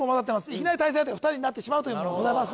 いきなり対戦相手が２人になってしまうということもございます